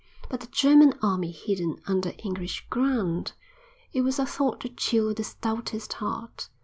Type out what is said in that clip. But a German army hidden under English ground! It was a thought to chill the stoutest heart.